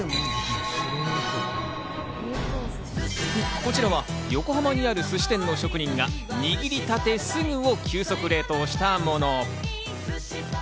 こちらは横浜にある寿司店の職人が握りたてすぐを急速冷凍したもの。